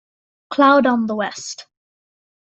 Cloud on the west.